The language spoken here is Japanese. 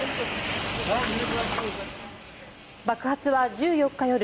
爆発は１４日夜